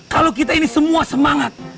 kalau kita ini semua semangat